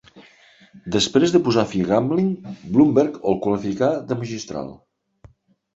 Després de posar fi a Gambling, Bloomberg el qualificar de "magistral".